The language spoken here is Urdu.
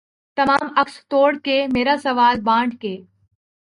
تمام عکس توڑ کے مرا سوال بانٹ کے